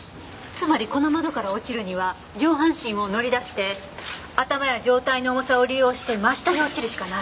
つまりこの窓から落ちるには上半身を乗り出して頭や上体の重さを利用して真下に落ちるしかない。